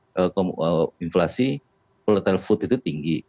kalau kamu mau inflasi peletel food itu tinggi